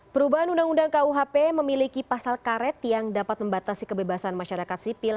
perubahan undang undang kuhp memiliki pasal karet yang dapat membatasi kebebasan masyarakat sipil